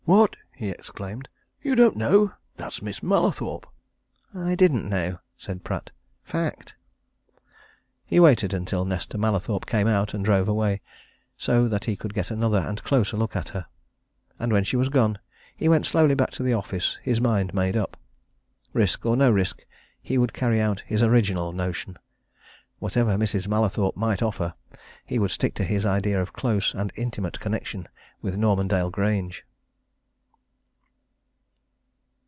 "What!" he exclaimed. "You don't know. That's Miss Mallathorpe." "I didn't know," said Pratt. "Fact!" He waited until Nesta Mallathorpe came out and drove away so that he could get another and a closer look at her. And when she was gone, he went slowly back to the office, his mind made up. Risk or no risk, he would carry out his original notion. Whatever Mrs. Mallathorpe might offer, he would stick to his idea of close and intimate connection with Normandale Grange.